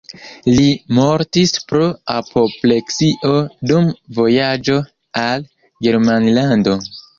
Li mortis pro apopleksio dum vojaĝo al Germanlando.